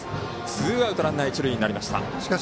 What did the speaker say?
ツーアウト、ランナー一塁になりました。